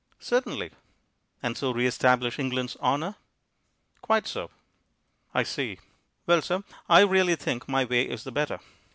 "Certainly." "And so re establish England's honour." "Quite so." "I see. Well, sir, I really think my way is the better.